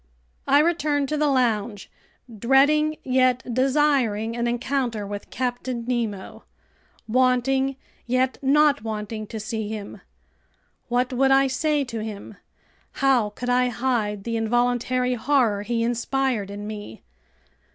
I returned to the lounge, dreading yet desiring an encounter with Captain Nemo, wanting yet not wanting to see him. What would I say to him? How could I hide the involuntary horror he inspired in me?